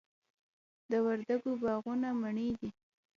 د وردګو باغونه مڼې دي